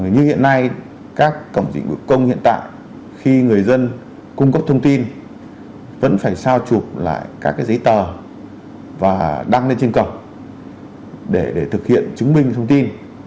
như hiện nay các cổng dịch vụ công hiện tại khi người dân cung cấp thông tin vẫn phải sao chụp lại các giấy tờ và đăng lên trên cổng để thực hiện chứng minh thông tin